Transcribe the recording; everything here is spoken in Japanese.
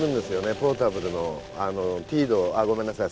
ポータブルのティーのあっごめんなさい